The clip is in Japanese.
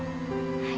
はい。